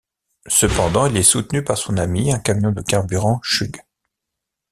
Cependant, il est soutenu par son ami, un camion de carburant, Chug.